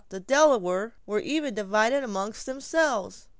The Delawares were even divided among themselves.